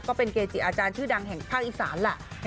ก็เป็นเกจีตอาจารย์ชื่อดังแห่งภาคอิสร